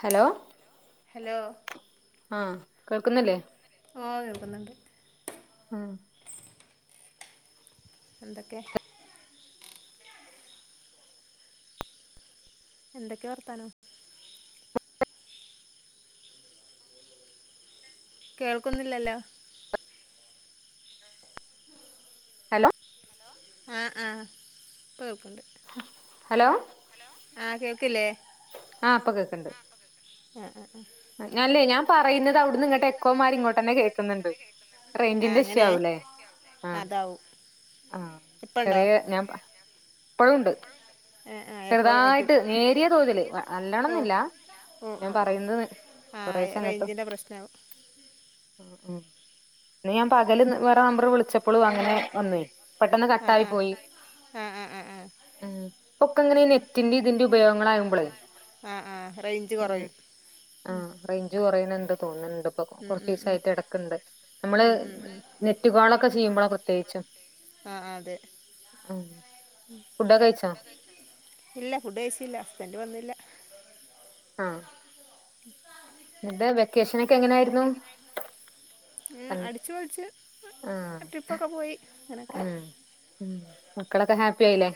Hello hello ആഹ് കേൾക്കുന്നില്ലേ ഓഹ് കേൾക്കുന്നുണ്ട് ആഹ് എന്തൊക്കേ എന്തൊക്കെ വർത്താനം കേൾക്കുന്നില്ലല്ലോ ഹലോ ആഹ് ആഹ് പ്പ കേൾക്ക്‌ണ്ട് ഹലോ ആഹ് കേൾക്ക്ല്ലേ ആഹ് ഇപ്പ കേക്ക്‌ണ്ട് ആഹ് അഹ് അഹ് അല്ലേ ഞാൻ പറയ്ന്നത് അവ്ട്ന്ന്ങ്ങെട്ട് എക്കോ മായ്രി ഇങ്ങോട്ടെന്നെ കേക്ക്ന്ന്ണ്ട് ആ റെയ്ഞ്ചിന്റെ ഇഷ്യു അങ്ങനെ ആവുലേ അതാവും ആഹ് ഇപ്പണ്ടോ ചെറ്യേ ഞാൻ ഇപ്പളുണ്ട് ആ ആ എക്കോ ആയിട്ട് ചെറ്തായ്ട്ട് നേരിയ തോതില് വ ഓ നല്ലോണാെന്നുല്ലാ ഓ ഞാൻ ഓ ഓ പറയുന്നത് ആ കൊറേശെ അങ്ങെട്ടും റേഞ്ചിൻ്റെ പ്രശ്നാവും ഉം ഉം അത് ഞാൻ പകെല് വേറെ നമ്പെറ് വിളിച്ചപ്പളും അങ്ങെനെ വന്നേ പെട്ടെന്ന് ആ കട്ടായി ആ പോയി ആ ആ ആ ആ ആഹ് ഇപ്പൊക്കെങ്ങെനെ നെറ്റിന്റിം തിന്റിം ഉപയോഗങ്ങളാകുമ്പളേ ആഹ് ആഹ് റെയ്ഞ്ച് കൊറെയും ഉം റെയ്ഞ്ച് കൊറയ്ണ്‌ണ്ട് തോന്ന്ൺണ്ട്പ്പാെ കൊ ഉം ഉം ഉം കൊർച്ചീസായ്ട്ട് എടെക്ക്ണ്ട് നമ്മെള് ഉം ഉം ഉം നെറ്റ് കോളൊക്കെ ചെയ്യുമ്പളാ പ്രത്യേകിച്ചും ആഹ് ആഹ് അതെ ആഹ് ഫുഡ്ഡാെക്കെ കഴിച്ചോ ഇല്ല ഫുഡ്ഡ് കയ്ച്ചിട്ടില്ല ഹസ്ബെന്റ് വന്നില്ലാ ആഹ് എന്താ വെക്കേഷനൊക്കെ എങ്ങനായ്ര്ന്നു ഏഹ് അടിച്ച്പൊളിച്ച് ആഹ് ട്രിപ്പൊക്കെ പോയി അങ്ങെനൊക്കെ ഉം ഉം മക്കളൊക്കെ ഹാപ്പി ആയിലേ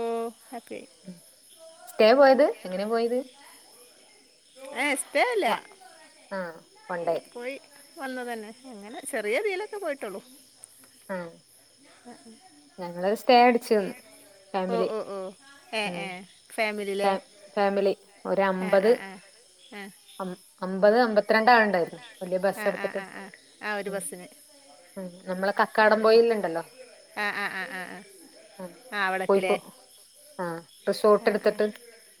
ഓഫ് ഹാപ്പ്യായി സ്‌റ്റേ പോയെത് എങ്ങെനെ പോയെത് ഏഹ് എഹ് സ്‌റ്റേ അല്ലാ ആഹ് വൺ ഡേ പോയി വന്നതെന്നെ അങ്ങെനെ ചെറിയതീലൊക്കെ പോയിട്ടാെള്ളു ആഹ് [unintelligible] ഞങ്ങള് സ്‌റ്റേ അടിച്ച് നിന്ന് ഓ ഫാമിലി ഓ ഓ ഏഹ് ആഹ് ഏഹ് ഫാ ഫാമിലില്ലേ ഫാമിലി ആഹ് ഒരമ്പെത് ആഹ് ആഹ് അം അമ്പത് അമ്പത്ത്‌രണ്ടാള്ണ്ടായ്ര്ന്നു ആഹ് ആഹ് ആഹ് ആഹ് ആഹ് ഒരു ബസ്സിന് ഉം നമ്മളെ ഏഹ് കക്കാടം അഹ് പൊയില്ണ്ടല്ലോ ആഹ് ആഹ് ആഹ് ആഹ് ആഹ് ഉം ആഹ് അവടക്ക്ലേ കോഴിക്കോ ആഹ് റിസോട്ട്ട്ത്ത്ട്ട്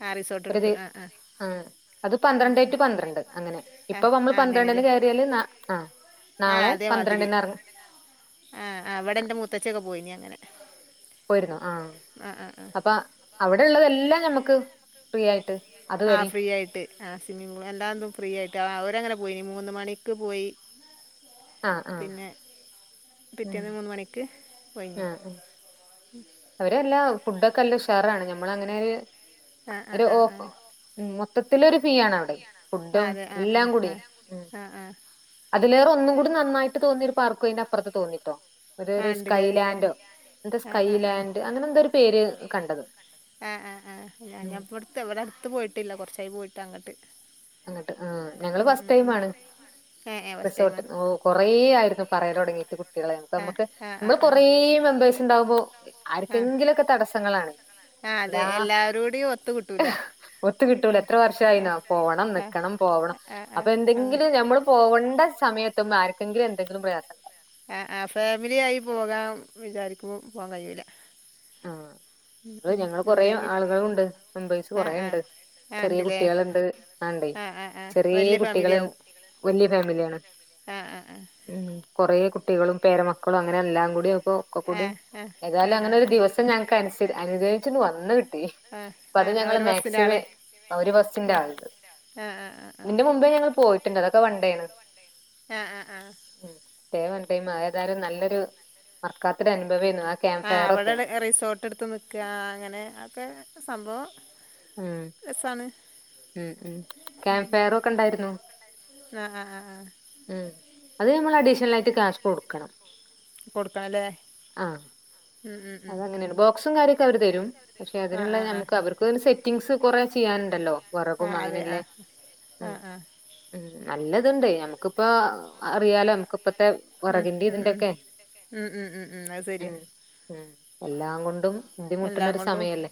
ആഹ് റിസോട്ട്ട്ത്ത് ആഹ് ആഹ് ആഹ് അത് പന്ത്രണ്ടേ റ്റു പന്ത്രണ്ട് അങ്ങെനെ ആഹ് ഇപ്പം അമ്മെള് ആഹ് പന്ത്രണ്ട്ന് അങ്ങനെല്ലേ കേറ്യാല് നാ ആഹ് ആഹ് നാളെ അതേമാതിരി പന്ത്രണ്ടിന് എർങ്ങും ആഹ് അവടെ ഇന്റെ മൂത്തച്ചി ഒക്കെ പോയിനി അങ്ങനെ പോയിരുന്നോ ആഹ് ആഹ് ആഹ് ആഹ് അപ്പ അവടെ ഇള്ളതെല്ലാം ഞമ്മക്ക് ഫ്രീയായിട്ട് ആഹ് ഫ്രീയായിട്ട് ആഹ് സ്വിമ്മിംഗ് പൂൾ എല്ലാതും ഫ്രീയായിട്ട് ആഹ് അവരങ്ങനെ പോയിനി മൂന്ന് മണിക്ക് പോയി ആഹ് ആഹ് പിന്നെ ഉം പിറ്റേന്ന് മൂന്ന് മണിക്ക് ആഹ് ഒഴിഞ്ഞ് ആഹ് അവരെ എല്ലാ ഫുഡൊക്കെ നല്ല ഉഷാറാണ് ഞമ്മളങ്ങനെ ഒര് ആഹ് ഒര് ആഹ് ഓ ആഹ് ആഹ് ഉം മൊത്തത്തിലൊരു ഫ്രീ ആണ് അവ്ടെയ് ആഹ് ഫുഡും അതെ ആഹ് എല്ലാം ആഹ് കൂടി ആഹ് ഉം ആഹ് ആഹ് അതിലേറെ ഒന്നും കൂടി നന്നായിട്ട് തോന്നിയ ഒരു പാർക്കും അയ്‌നപ്പർത്ത് തോന്നിട്ടോ ഒരു ഒര് ആഹ് ഉണ്ടല്ലേ സ്കൈലാൻഡോ എന്താ ആഹ് സ്കൈ ആഹ് ആഹ് ലാൻഡ് അങ്ങനെ എന്തോരു പേര് കണ്ടത് ആഹ് ആഹ് ആഹ് ഞ ഉം ഞാൻ ഇപ്പട്ത്ത് ഇവിടെ അട്ത്ത് പോയിട്ടില്ല കൊർച്ചായി പോയിട്ട് അങ്ങട്ട് അങ്ങട്ട് ആഹ് ഞങ്ങള് ഫസ്റ്റ് ടൈമാണ് ഏഹ് ഏഹ് ഫസ്റ്റ് ടൈമാ റിസോർട്ട് ഓ കൊറേ ആയിരുന്നു പറയലൊടങ്ങീട്ട് കുട്ടികള് ഞമ്മക് ആഹ് അമ്മക്ക് ആഹ് നമ്മള് ആഹ് ആഹ് കൊറേ മെമ്പേഴസ് ഇണ്ടാവുമ്പോ ആഹ് ആര്ക്കെങ്കിലൊക്കെ തടസ്സങ്ങളാണ് ആ അത് എല്ലാ എല്ലാവരോടെയും ഒത്തു കിട്ടൂല ഒത്ത് കിട്ടൂല ഉം. എത്ര ആ വർഷായിന്നോ പോവണം ആ നിക്കണം പോവണം ആ ആ അപ്പൊ ആ എന്തെങ്കിലും ഞമ്മള് പോവണ്ട സമയെത്തുമ്മെ ആര്ക്കെങ്കിലും എന്തെങ്കിലും പ്രയാസം ഉണ്ടാവും ആഹ് ആഹ് ഫാമിലി ആയി പോകാൻ വിചാരിക്കുമ്പൊ പോവാൻ കഴിയൂല ആഹ് ഉം, ഇവടെ ഉം. ഞങ്ങള് കൊറേ എന്തെങ്കിൽ ആളുകളുണ്ട് മെമ്പേഴ്സ് ആ കൊറേ ആ ഇണ്ട് ആ ചെറ്യെ ഉണ്ടല്ലേ കുട്ടികളുണ്ട് ആഹ് ഇണ്ടെയ് ആ ആ ആ ചെറ്യേ വലിയ കുട്ടികള് വല്ല്യെ ഫാമിലി ആണ് ആഹ് ആഹ് ആഹ് ഉം കൊറേ കുട്ടികളും പേരമക്കളും അങ്ങനെ എല്ലാം കൂടി ഒ ഒക്കെ ആ കൂടിം ഏതായാലും ആ അങ്ങനെ ഒരു ആ ദിവസ ക്ഷെ ഞങ്ങക്ക് അനുസിഡ് അനുഗഹിച്ചിട്ട്ണ്ട് വന്ന്കിട്ടി ആ അപ്പ ആ അത് ആ ഞങ്ങള് ഒരു ബസ്സിൻ്റെ ആള് മാക്സിമം ആഹ് ഒര് ബസിന്റെ ആള്ണ്ട് ആ ആ ആ ആ ഇതിന്റെ മുമ്പേ ഞങ്ങൾ പോയിട്ട്ണ്ട് അതൊക്കെ വൺണ്ടേ ആണ് ആഹ് ആഹ് ആഹ് ഉം [unintelligible] ടൈം അത്‌ ഏതായാലും നല്ലൊരു മറക്കാത്തൊരു അനുഭവേര്ന്നു ആ ക്യാമ്പ് ഫയറൊക്കെ നെ റിസോർ ട്ട് ഇട്ത്ത് നിക്കാ അങ്ങനെ അതൊക്കെ സംഭവം ഉം രെസാണ് ഉം ഉം ക്യാമ്പ് ഫയറു ഒക്കെ ഇണ്ടായിരുന്നു ആഹ് ആഹ് ആഹ് ആഹ് ഉം അത് ഞമ്മള് അഡീഷണലായിട്ട് ക്യാഷ് കൊടുക്കണം കൊട്ക്കണം ല്ലേ അത്‌ അങ്ങനേണ് ബോക്സും കാര്യൊക്കെ അവര് തെരും പക്ഷെ ആഹ് അതിന്ള്ളെ ആഹ് ആഹ് ഞമ്മക്ക് അവർ ക്ക് പിന്നെ സെറ്റിങ്സ് കൊറേ ചെയ്യാന് ഇണ്ടല്ലോ വറകും ആഹ് അതെ അങ്ങനെയില്ലെ ആഹ് ഉം ആഹ് ആഹ് ഉം നല്ലത്ണ്ടെയ് ഞമ്മക്ക്പ്പോ അറിയാലോ ഞമ്മക്ക് ഇപ്പത്തെ ഉം വറകിന്റിം ഉം ഉം ഇതിന്റെഒക്കെ ഉം ഉം ഉം അത് ശരിയാ ഉം ഉം എല്ലാം കൊണ്ടും ബുദ്ധിമുട്ട്ണ എല്ലാം ഒരു കൊണ്ടും സമയല്ലേ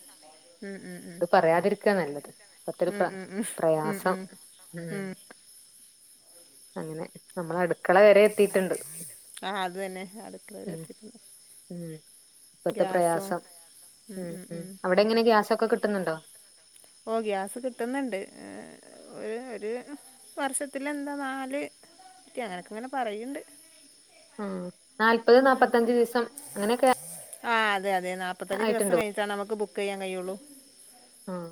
ഉം ഉം ഉം അത് പറയാതിര്ക്കാ നല്ലത് ഇപ്പത്തെ ഒരു ഉം പ്ര ഉം ഉം ഉം പ്രയാസം ഉം ഉം അങ്ങനെ നമ്മളെ അട്ക്കള വെരെ എത്തിയിറ്റ്ണ്ട് ആഹ് അത് തന്നെ അടുക്കളവരെ എത്തിട്ട്ണ്ട് ഉം ഇപ്പത്തെ ഗ്യാസും ഉ ഉ ഉ ഇപ്പം എങ്ങനെ ഗ്യാസൊക്കെ കിട്ടുന്നുണ്ടോ ഓ ഗ്യാസ് കിട്ടുന്നുണ്ട് ഒരു ഒരു വർഷത്തില എന്താ നാല് ക്കെ അങ്ങനെക്കെ ഇങ്ങനെ പറയണ്ട് ആഹ് നാല്പത് നാല്പ്പത്തഞ്ച് ദിവസം അങ്ങനെയൊക്കെ ആഹ് അതെ തെ നാൽപ്പത്തഞ്ച് ദിവസ ആയിട്ടുണ്ടോ കഴിഞ്ഞിട്ട നമക്ക്ബുക്ക്‌ ചെയ്യാൻ കഴിയുള്ളൂ ആഹ്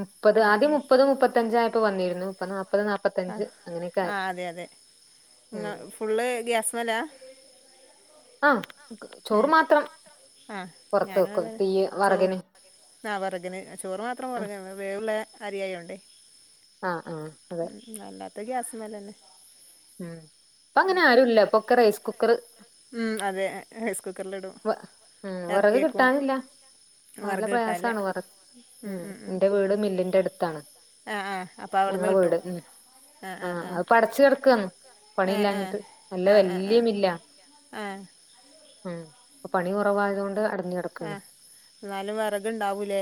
മുപ്പത് ഉം, ആദ്യം ഉം. മുപ്പത് മുപ്പത്തഞ്ചായിപ്പ വന്നിരുന്നു മുപ്പ നാല്പ്പത് നാപ്പ ആഹ് ആഹ് അതെ അതെ ഉം ഫുള്ള് ഗ്യാസ് മേല ആഹ് ഏ ചോറ് മാത്രം ആ പുറത്ത് വെക്കും തീ വറകിന് ആഹ് വറഗിന് ചോറ് മാത്രം ആഹ് മുറങ്ങ വേവള്ള അരിയായോണ്ടേ ആഹ് ആഹ് അതെ ഉം, അല്ലാത്ത ഗ്യാസ് മേലെന്നെ ഉം ഇപ്പ അങ്ങനെ ആരും ഇല്ല ഇപ്പൊക്കെ റൈസ് കുക്കർ ഉം അതെ റൈസ് കുക്കറില് ഇടും ഉം ഇറക്കി വിറക് വെക്കും കിട്ടാനില്ല നല്ല വറക് കിട്ടാല്ല പ്രയാസമാണ് വറ ഉ ഉം എന്റെ വീട് മില്ലിന്റെ അടുത്താണ് ആഹ് ആഹ് അപ്പൊ അവിടുന്ന് ഞങ്ങളെ കിട്ടും വീട് ഉം ആ ആ ആഹ് ആ അത് അടച്ച് കെടക്ക പണി ആ ആ ഇല്ലാഞ്ഞിട്ട് നല്ല വല്യമില്ല ഏഹ് ഉം പ്പൊ പണി കൊറവായതോണ്ട് അടഞ്ഞ് കിടക്കാണ് ഏഹ് ന്നാലും വറക്ണ്ടാവൂലേ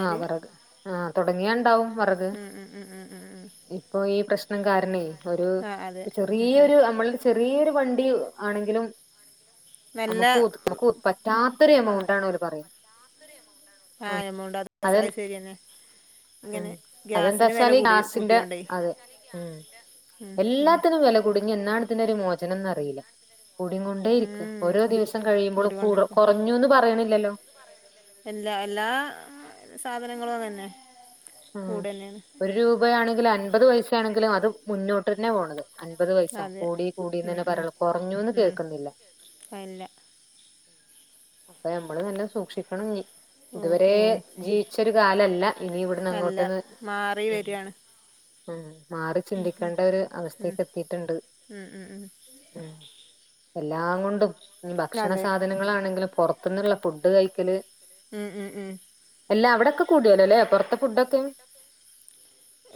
ആഹ് വിറക് ആഹ് തൊടങ്ങിയണ്ടാവും വറക് ഉം ഉം ഉം ഉം ഉം ഉം ഇപ്പൊ ഈ പ്രശ്നം കാരണേ ഒരു ആ അതെ ഉം ഉം ചെറിയൊരു അമ്മളൊരു ചെറിയൊരു വണ്ടി ആണെങ്കിലും നല്ല നമുക്ക് ക്ക് പറ്റാത്തൊരുഎമൗണ്ടാണവര് പറയുന്നെ ആഹ് എമൗണ്ട് അത് അത് സെരിയന്നെ ഉം അതെന്താച്ചാൽ കൂടി ഗ്യാസിന്റെ കൂട്ടിയോണ്ടേ അതെ ഉം ഉം ഉം എല്ലാത്തിനും വെല കുടുങ്ങി എന്നാണ് ഇതിനൊരു മോചനംന്നറിയില്ല കൂടിങ്ങൊണ്ടേ ഇരിക്ക ഉം ഓരോ ദിവസം കഴിയുമ്പളും കൂ കൂടിക്കൊണ്ടിരിക്കുക കൊറഞ്ഞുന്ന് പറയ്ണില്ലല്ലോ എല്ല എല്ലാ സാധനങ്ങളും അതന്നെ ഉം കൂടെന്നെയാണ് ഒരു രൂപയാണെങ്കിലും അൻപത് പൈസയാണെങ്കിലും അത് മുന്നോട്ട് തന്നെ പോണത് അൻപത് പൈസ അതെ കൂടി ഉം കൂടിന്നന്നെ പറയൊള്ളൂ കൊറഞ്ഞുന്ന് കേക്ക്ന്നില്ല അയില്ല അപ്പൊ നമ്മള് നല്ല സൂക്ഷിക്കണഞ്ഞി ഓ ഇതുവരെ ഓ ജീവിച്ചൊരു കാലല്ല അല്ല ഇനിവിടുന്നങ്ങോട്ടെന്ന് മാറി വരികയാണ് ഉം മാറി ചിന്തിക്കണ്ടൊരു ഉം അവസ്ഥീക്കെത്തിട്ടുണ്ട് ഉം ഉം ഉം ഉം എല്ലാങ്ങൊണ്ടും ഇനി ഭക്ഷണ അതെ സാധനങ്ങളാണെങ്കിലും പൊറത്ത്ന്ന്ള്ള ഫുഡ് കഴിക്കല് ഉം ഉം ഉം അല്ലാ അവിടൊക്കെ കൂടിയോലൊ ലേ പൊർത്തെ ഫുഡൊക്കെ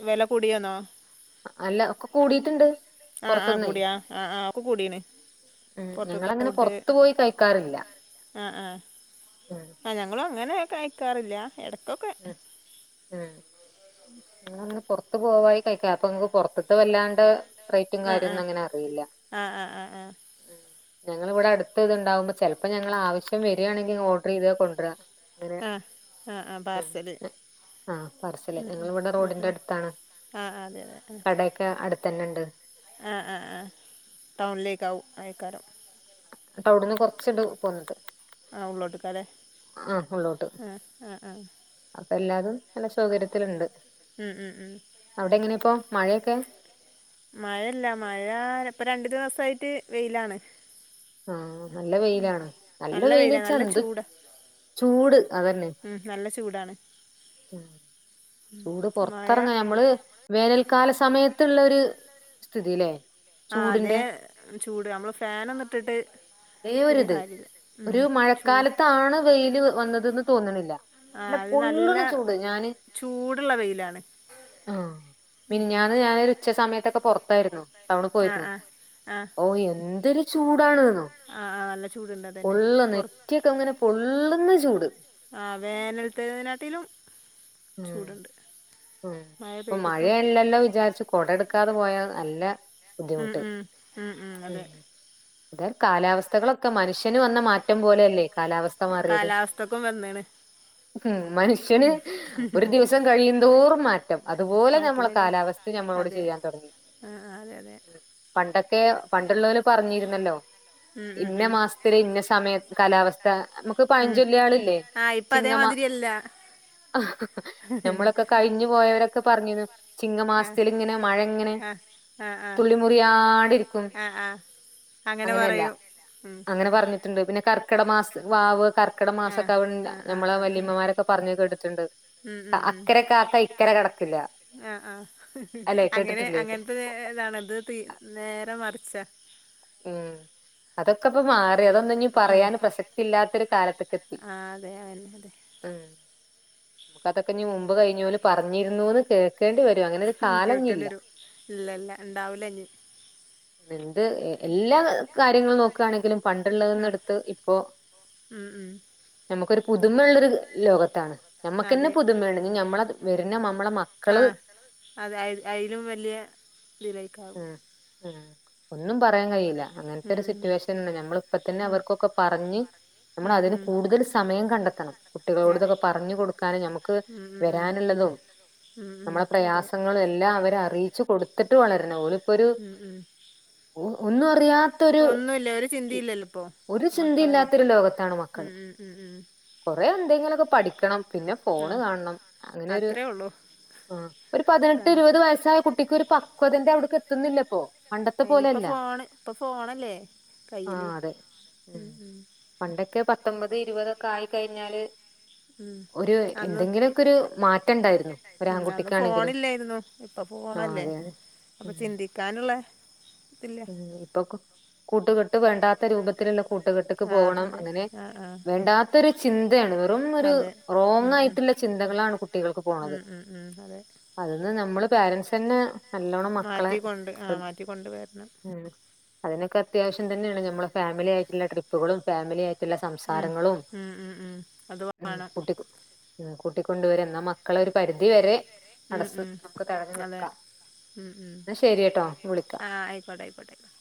വെല കൂടിയോന്നോ അല്ല ഒക്കെ കൂടിട്ട്ണ്ട് ആഹ് ആഹ് കൂടിയാ ആഹ് ആഹ് ഒക്കെ കൂടിണ് അഹ് ഞങ്ങളങ്ങനെ പൊറത്ത് പോയി കഴിക്കാറില്ല ആഹ് ആഹ് ആഹ് ആഹ് ഞങ്ങളു അങ്ങനെ കഴിക്കാറില്ല എടക്കൊക്കെ ആഹ് ഞങ്ങളങ്ങനെ പൊർത്ത് പോയി കഴിക്കാ അപ്പ ഞങ്ങക്ക് പൊർത്ത്ത്തെ വല്ലാണ്ടെ റെയ്റ്റും കാര്യൊന്നും അങ്ങനറീല്ല ആഹ് ആഹ് ആഹ് ആഹ് ആഹ് ഞങ്ങള് ഇവ്ടെ അട്ത്ത് ഇത്ണ്ടാവുമ്പൊ ചെലപ്പൊ ഞങ്ങളാവശ്യം വരാണെങ്കി ഓഡ്രീതത് കൊണ്ട്ര ആഹ് ആഹ് ആഹ് പാർസല് ആഹ് പാർസല് ആഹ് ഞങ്ങളിവിടെ ആഹ് റോഡിന്റെ ആഹ് ആഹ് ആഹ് അതെ അതെ ആഹ് ആഹ് അടുത്തന്നണ്ട് ആഹ് ആഹ് ആഹ് ടൗണിലേക്കാവും അതെക്കാരം അവ്ട്ന്ന് കൊറച്ച്ണ്ട് പോന്നിട്ട് ആഹ് ഉള്ളോട്ട്ക്കാലെ ആഹ് ആഹ് ആഹ് അപ്പ എല്ലാതും നല്ല സൗകര്യത്തില്ണ്ട് ഉം ഉം ഉം മഴയൊക്കെ മഴല്ല മഴാ ഇപ്പ രണ്ട് ദിവസായിട്ട് വെയിലാണ് ആഹ് നല്ല വെയിലാണ് നല്ല വെയിലാ വെയില്ച്ചാ നല്ല എന്ത്‌ ചൂടാ ചൂട് അതന്നെ ഉം നല്ല ചൂടാണ് ചൂട് മഴ പൊർത്തെറങ്ങാ നമ്മള് വേനൽക്കാല സമയത്ത്ള്ളൊര് സ്ഥിതിലേ ആഹ് അതേ ചൂട് നമ്മള് ഫാനൊന്ന് ഇട്ടിട്ട് അതേ തീരെ ഒരിത് കാര്യല്ല ഉം ഒരു ചൂ മഴക്കാലത്താണ് വെയില് വന്നത്ന്ന് തോന്ന്ണില്ല നല്ല ആഹ് അത് പൊള്ള്ണ നല്ല ചൂട് ഞാന് ചൂടുള്ള വെയിലാണ് ആഹ് ഉം ഉം മിനിഞാന്ന് ഞാനൊര് ഉച്ച സമയത്തൊക്കെ പൊറത്തായിരുന്നു ടൗണി ആഹ് പോയിരുന്നു ആഹ് ആഹ് ഓഹ് എന്തൊരു ചൂടാണ്ന്നോ. ആഹ് നല്ല ചൂടുണ്ട് അതന്നെ പൊർ ഇങ്ങന പൊള്ള്ന്ന ചൂട്. ആഹ് വേനൽത്തതികാട്ടിലും ഉം ചൂടുണ്ട്. ഉം മഴ ഇപ്പൊ പെയ്തിട്ടും മഴയല്ലല്ലൊ വിചാരിച്ച് കൊട ഇട്ക്കാതെ പോയ നല്ല ഉം ബുദ്ധിമുട്ട് ഉം ഉം ഉം അതെ ഇത കാലാവസ്ഥകളൊക്ക മനുഷ്യന് വന്ന മാറ്റം പോലെയല്ലേ കാലാവ മാറിയത് കാലാവസ്ഥക്കും വന്നാണ് ഉം മനുഷ്യന് ഒരു ദിവസം കയി തോറും മാറ്റം അതുപോല മാറ്റം നമ്മള വരാ കാലാവസ്ഥ ഞമ്മളോട് അതെ ചെയ്യാൻ തൊടങ്ങി. ആ ആ, അതെ അതെ ഉം പണ്ടൊക്കെ പണ്ടുള്ളോല് പറഞ്ഞിരുന്നല്ലൊ ഉം ഉം ഇന്ന ഉം മാസ് ത്തില് ഇന്ന സമയ കാലാവസ്ഥ നമുക്ക് ഉം പഴഞ്ചൊല്ലേളില്ലേ ആ ഇപ്പം ചിങ്ങമാ അതേമാതിരിയല്ല നമ്മള കഴിഞ്ഞു പോയവരൊക്ക പറഞ്ഞീന്നു ആ ചിങ്ങമാസത്തില് ഇങ്ങനെ മഴ ഇങ്ങനെ ആ ആ ആ തുള്ളി മുറിയാണ്ടിരിക്കും. യാടി ശരിയല്ല അങ്ങനെ അങ്ങനെയല്ല പറഞ്ഞിട്ടുണ്ട് പിന്നെ അങ്ങനെ പറഞ്ഞ് ട്ടിണ്ട് പിന്നെ കർക്കട മാസം വാവ് കർക്കട മാസൊക്ക നമ്മളെ വല്ലിമ്മമാരൊ ക്കെ പറ്ഞ്ഞ് കേട്ടിട്ടുണ്ട്. ഉം ഉം ഉം ഇക്കര കാക്ക ഇക്കര കടക്കില്ല. ആഹ് ആഹ് അല്ലെ അങ്ങനെ കേട്ടിട്ടില്ലേ അങ്ങൻത്തെ ഇതാണ് ഇത് തീ നേരെ മറിച്ച. ഉം അതൊക്ക ഇപ്പ മാ വേറെ ഒന്നും ഇനി പറയൻ പ്രസക്തി ഇല്ലാത്തൊരു കാലത്തേക്കത്തി ആഹ് അതെ അതെന്നെ അതെ ഉം അതൊക്കെ മുമ്പ് കഴിഞല് പറഞ്ഞിരുന്നുന്ന് കേക്കേണ്ടി വ കേക്കണ്ട വരും ഇല്ല ഇല്ല ഉണ്ടാവൂലനി. ണ്ട് എല്ലാ കാര്യങ്ങളും നോക്കണെങ്കിലും പണ്ടുള്ളതന്നെടുത്ത് ഇപ്പോ ഉം ഉം നമ്മുക്കൊരു പുതുമള്ളള്ളൊരു ലോകത്താണ് ഞമ്മക്ക്ന്നെ അതെ പുതുമണ് നമ്മള വരുന്ന നമ്മളെ മ ആഹ് അത് അയ്ലും വലിയ ഇതയി ഉം ഒന്നും പറയാൻ കഴിയില്ല. അങ്ങനത്തെ ഉം ഒരു ഉം സിറ്റുവേഷൻആണ് നമ്മളെ ഇപ്പതന്നെ ഉം അവർക്കൊക്കെ പറഞ് നമ്മൾ ഉം അതിന് ഉം കൂടുതൽ സമയം കണ്ടെത്തണം. കുട്ടികളോട് അതെ ഇതൊക്കെ പറഞ്ഞു കൊടുക്കാനും നമുക്ക് ഉം ഉം ഉം വരാനുള്ളതും ഉം ഉം നമ്മളെ അതെ പ്രയാസങ്ങളും എല്ലാ അവരെ അറി ച് കൊടുത്തിട്ട് വളരണം ഓലപ്പോരു ഉം ഉം ഒന്നും അറിയ ത്തരു ഒന്നുല്ല ഒരു ചിന്തയില്ലല്ലോ ഇപ്പോ ഒരു ഇപ്പ മക്കളല്ലേ ചിന്തില്ലാത്തരു ലോകത്താണ് മക്കൾ. ഉം ഉം ഉം ഉം കൊറെ എന്തെങ്കിലുക്കെ പഠിക്കണം പിന്നെ ഫോണ് ആഹ് കാണണം അങ്ങനെ ഒരു അത്രേ ഉള്ളൂ ആഹ് ഒരു പതിനെട്ട് ഇരുപത് വയസ്സായ കുട്ടിക്ക് ഒരു പക്വതന്റെ അവിടക്ക് എത്തുന്നില്ലപ്പൊ. അയിനിപ്പ ഫോണ് ഇപ്പൊ ഫോണല്ലേ കയ്യില് ആഹ് അതെ ഉം ഉം പണ്ടൊക്കെ പത്തൊമ്പത് ഇരുപതൊക്കെ ആയിക്കഴിഞ്ഞാല് ഉം ഒരു അന്ന് എന്തെങ്കിലും ഒക്കെഒരു മാറ്റം ഉണ്ടായിരുന്നു ഒര് ഉം അന്ന് ആൺകുട്ടിക്കാണെങ്കിലും ഫോണില്ലായിരുന്നു ഇപ്പൊ ഫോൺഅല്ലേ അപ്പൊ ചിന്തിക്കാനുള്ള ഇതില്ല ഉം ഇപ്പൊ കൂട്ടുകെട്ട് വേണ്ടാത്ത രൂപത്തിലലേം കൂട്ടുകെട്ടക്ക് ആ പോണം അതെ അങ്ങനെ ആ ആ വേണ്ടാത്ത ഒരു ചിന്തയാണ് വെറും ഒരു അതെ ഉം ഉം റോങ്ങയിട്ടുള്ള ചിന്തകളാണ് കുട്ടികൾക്ക് പോണത്. ഉം ഉം ഉം അതെ അതന്ന് നമ്മള് പേരൻസന്നെ മാറ്റിക്കൊണ്ട് ആഹ് മാറ്റിക്കൊണ്ട് വരണം. ഉ അതിനൊക്കെ അത്യാവശ്യം തന്നെയാണ് നമ്മെ ഫാമിലി ആയിട്ടുള്ള ട്രിപ്പുകളും ഫാമിലി ആയി ട്ടുള്ള ഉം സംസാരങ്ങളും ഉം ഉം ഉം അത് ഉം വേണം കൂട്ടി കു കൂട്ടികൊണ്ട്വര എന്നാ മക്കള ഒരു പരിധി വരെ ത ഉം ടസ് ഉം നമുക്ക് തടഞ്ഞു അതെ നിക്കാം. ഉം ഉം ന്ന ശരിയട്ടോ വിളിക്കാം. ആ ആയിക്കോട്ടെ ആയിക്കോട്ടെ ആയിക്കോട്ടെ